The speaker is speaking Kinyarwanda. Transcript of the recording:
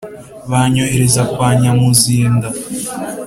banyohereza kwa nyamuzinda